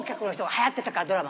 はやってたからドラマ。